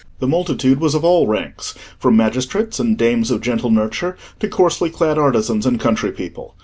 The multitude was of all ranks, from magistrates and dames of gentle nurture to coarsely clad artisans and country people.